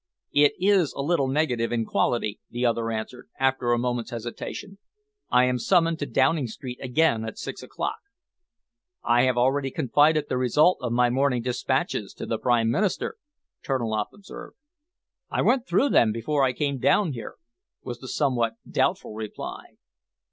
"It is a little negative in quality," the other answered, after a moment's hesitation. "I am summoned to Downing Street again at six o'clock." "I have already confided the result of my morning despatches to the Prime Minister," Terniloff observed. "I went through them before I came down here," was the somewhat doubtful reply.